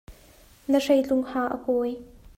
Na hreitlung haa a kawi.